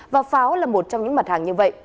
và pháo là một trong những mặt hàng như vậy